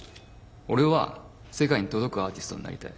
俺は世界に届くアーティストになりたい。